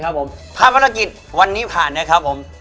ครับผมถ้าภารกิจวันนี้ผ่านนะครับผม